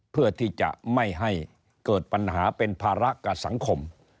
เพื่อที่จะไม่ให้เกิดปัญหาเป็นภาระกับสังคม